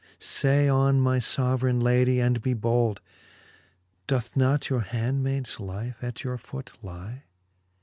Say on, my fbveraine ladie, and be bold j Doth not your handmayds life at your feet lie